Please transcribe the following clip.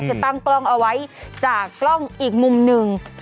จะตั้งกล้องเอาไว้จากกล้องอีกมุมหนึ่ง